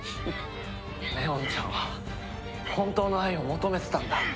祢音ちゃんは本当の愛を求めてたんだ。